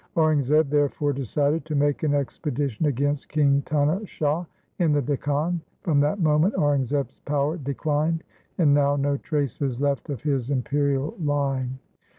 Aurangzeb therefore decided to make an expedition against King Tana Shah in the Dakhan. From that moment Aurangzeb' s power declined, and now no trace is left of his imperial line.